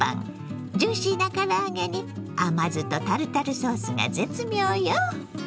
ジューシーな唐揚げに甘酢とタルタルソースが絶妙よ。